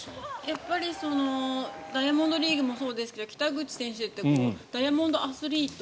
やっぱりダイヤモンドリーグもそうですけど北口選手ってダイヤモンドアスリート